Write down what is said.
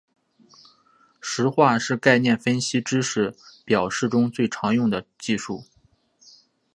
实化是概念分析与知识表示中最常用的技术。